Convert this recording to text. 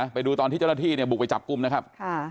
ไปดูตอนที่เจ้าหน้าที่เนี่ยบุกไปจับกลุ่มนะครับ